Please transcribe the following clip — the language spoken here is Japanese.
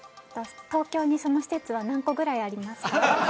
東京にその施設は何個ぐらいありますか？